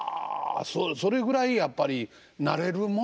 それぐらいやっぱり慣れるもんですか？